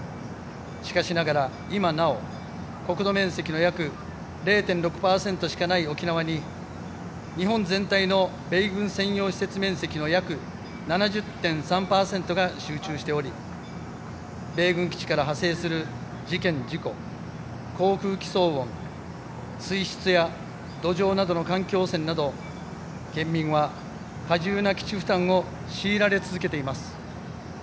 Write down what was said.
しかしながら、今なお国土面積の約０．６％しかない沖縄に日本全体の米軍専用施設面積の約７０．３％が集中しており米軍基地から派生する事件、事故、航空機騒音水質や土壌などの環境汚染など県民は過重な基地負担を強いられ続けています。